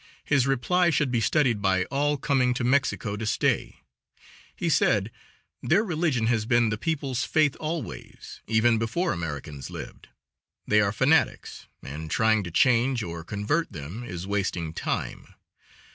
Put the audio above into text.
His reply should be studied by all coming to Mexico to stay. He said: "Their religion has been the people's faith always, even before Americans lived. They are fanatics, and trying to change or convert them is wasting time.